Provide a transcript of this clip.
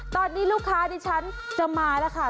ตอนนี้ลูกค้าดิฉันจะมาแล้วค่ะ